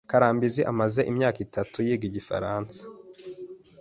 Karambizi amaze imyaka itatu yiga igifaransa.